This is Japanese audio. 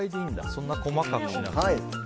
そんなに細かくしなくて。